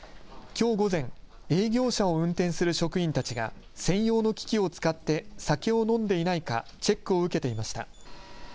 きょう午前、営業車を運転する職員たちが専用の機器を使って酒を飲んでいないかチェックを受けていました。